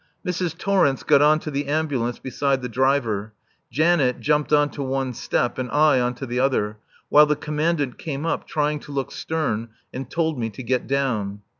Mrs. Torrence got on to the ambulance beside the driver, Janet jumped on to one step and I on to the other, while the Commandant came up, trying to look stern, and told me to get down.